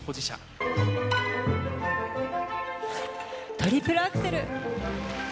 トリプルアクセル。